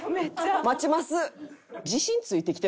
待ちます。